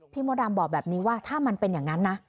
มดดำบอกแบบนี้ว่าถ้ามันเป็นอย่างนั้นนะ